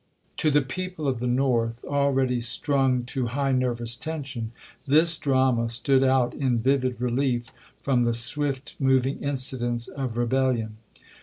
To the people of the North, already strung to high nervous tension, this drama stood out in vivid relief from the swift moving incidents of rebel lion.